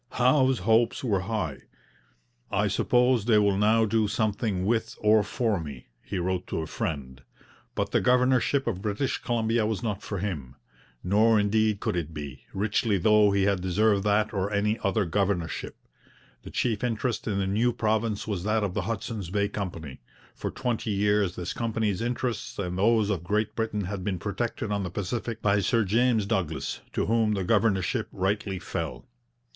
Howe's hopes were high. 'I suppose they will now do something with or for me,' he wrote to a friend. But the governorship of British Columbia was not for him. Nor indeed could it be, richly though he had deserved that or any other governorship. The chief interest in the new province was that of the Hudson's Bay Company; for twenty years this company's interests and those of Great Britain had been protected on the Pacific by Sir James Douglas, to whom the governorship rightly fell.